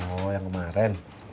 oh yang kemarin